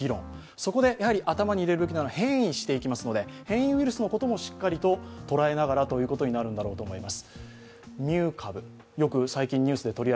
そこで頭に入れるべきなのは変異していきますので変異ウイルスのこともしっかりと捉えながらということになるんだろうと思います。